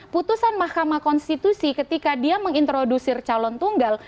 putusan mahkamah konstitusi ketika dia mengintrodusir calon tunggal